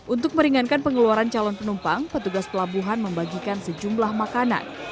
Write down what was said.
untuk meringankan pengeluaran calon penumpang petugas pelabuhan membagikan sejumlah makanan